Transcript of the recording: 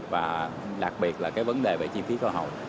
và đặc biệt là cái vấn đề về chi phí cơ hội